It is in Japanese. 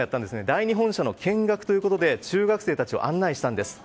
第２本社の見学ということで中学生たちを案内したんです。